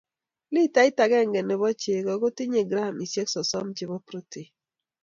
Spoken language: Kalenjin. Litait agenge nebo chego kotinye gramisyek sosom chebo protein.